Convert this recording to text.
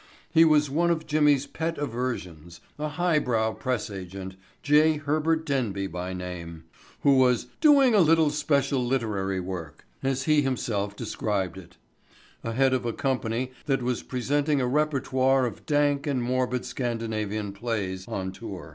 He was one of Jimmy's pet aversions, a highbrow press agent—J. Herbert Denby by name—who was "doing a little special literary work," as he himself described it, ahead of a company that was presenting a repertoire of dank and morbid Scandinavian plays on tour.